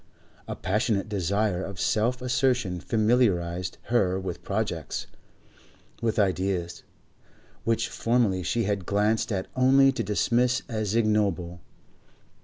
A passionate desire of self assertion familiarised her with projects, with ideas, which formerly she had glanced at only to dismiss as ignoble.